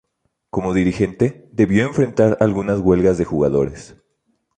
Como dirigente, debió enfrentar algunas huelgas de jugadores.